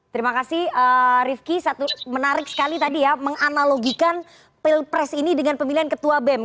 terima kasih rifki menarik sekali tadi ya menganalogikan pilpres ini dengan pemilihan ketua bem